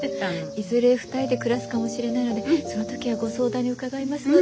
いずれ２人で暮らすかもしれないのでその時はご相談に伺いますので。